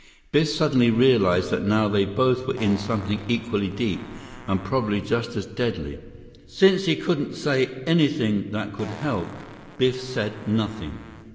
Biff suddenly realized that now they both were in something equally deep and probably just as deadly. Since he couldn't say anything that would help, Biff said nothing.